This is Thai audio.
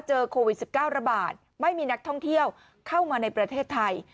โควิด๑๙ระบาดไม่มีนักท่องเที่ยวเข้ามาในประเทศไทย